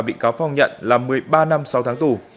bị cáo phong nhận mức án là một mươi ba năm sau tháng tù